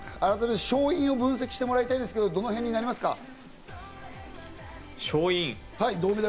勝因を分析してもらいたいんですけど、どのへんになりますか？